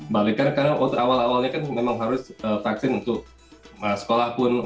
balik kan karena awal awalnya kan memang harus vaksin untuk sekolah pun